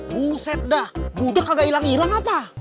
buset dah muda kagak ilang ilang apa